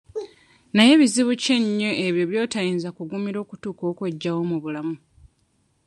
Naye bizibu ki ennyo ebyo by'otayinza kugumira okutuuka okweggyawo mu bulamu.